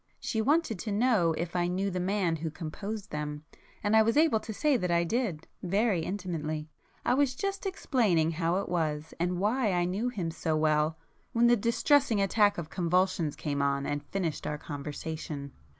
She wanted to know if I knew the man who composed them, and I was able to say that I did—very intimately. I was just explaining how it was, and why I knew him so well, when the distressing attack of convulsions came on, and finished our conversation."